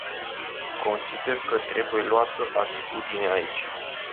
Consider că trebuie luată atitudine aici.